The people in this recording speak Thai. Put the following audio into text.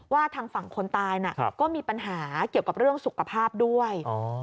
ทางฝั่งคนตายก็มีปัญหาเกี่ยวกับเรื่องสุขภาพด้วย